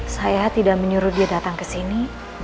saya tidak menyuruh dia datang ke sini